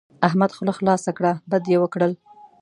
احمد خوله خلاصه کړه؛ بد يې وکړل.